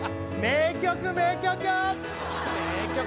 名曲名曲！